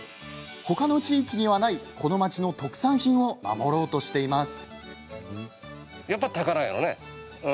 ほかの地域にはないこの町の特産品を守ろうとしています。